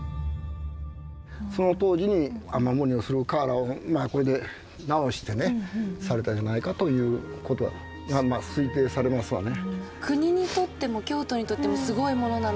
その当時に雨漏りをする瓦をこれで直してねされたんじゃないかということはまあ推定されますわね。